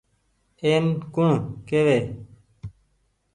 اين ڪوڻ ڪيوي۔